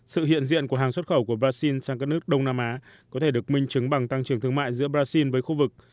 sự hiện diện của hàng xuất khẩu của brazil sang các nước đông nam á có thể được minh chứng bằng tăng trưởng thương mại giữa brazil với khu vực